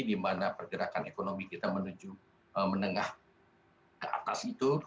di mana pergerakan ekonomi kita menuju menengah ke atas itu